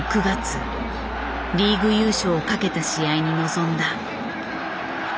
リーグ優勝をかけた試合に臨んだ。